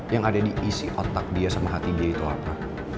yang ada diisi otak dia sama hati dia itu apa